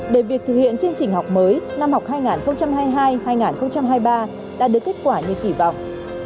để việc thực hiện chương trình học mới năm học hai nghìn hai mươi hai hai nghìn hai mươi ba đã được kết quả như kỳ vọng